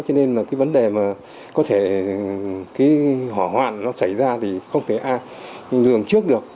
cho nên là cái vấn đề mà có thể cái hỏa hoạn nó xảy ra thì không thể ai lường trước được